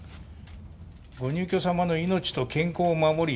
ご入居様の命と健康を守り